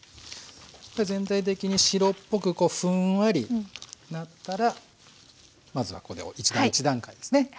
全体的に白っぽくふんわりなったらまずはここで１段階ですね